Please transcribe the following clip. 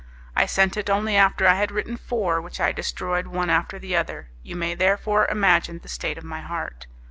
I sent it only after I had written four, which I destroyed one after the other: you may therefore imagine the state of my heart.